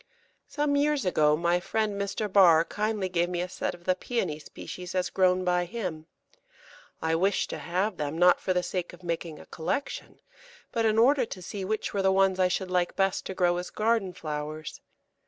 Some years ago my friend Mr. Barr kindly gave me a set of the Pæony species as grown by him. I wished to have them, not for the sake of making a collection, but in order to see which were the ones I should like best to grow as garden flowers.